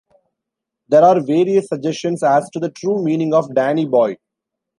There are various suggestions as to the true meaning of "Danny Boy".